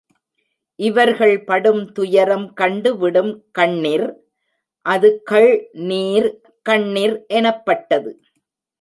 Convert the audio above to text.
இவர்கள் படும் துயரம் கண்டு விடும் கண்ணிர் அது கள்நீர் கண்ணிர் எனப்பட்டது.